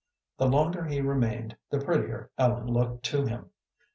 The longer he remained, the prettier Ellen looked to him.